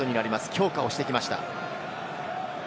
強化をしてきました。